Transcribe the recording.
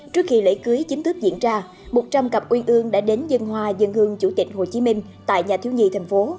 trước khi lễ cưới chính thức diễn ra một trăm linh cặp uyên ương đã đến dân hoa dân hương chủ tịch hồ chí minh tại nhà thiếu nhi thành phố